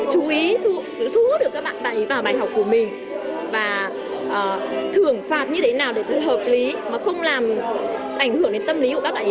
chú ý thu hút được các bạn ý vào bài học của mình và thưởng phạt như thế nào để tự hợp lý mà không làm ảnh hưởng đến tâm lý của các bạn ý